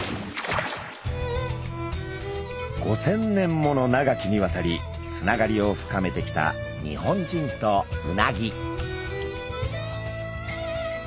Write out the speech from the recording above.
５，０００年もの長きにわたりつながりを深めてきた日本人とうなぎ。